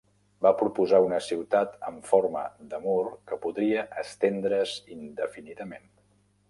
Va proposar una ciutat amb forma de mur que podria estendre's indefinidament.